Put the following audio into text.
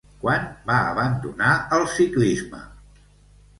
Quan va abandonar el ciclisme?